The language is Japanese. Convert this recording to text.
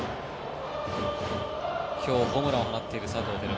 今日ホームランを放っている佐藤輝明。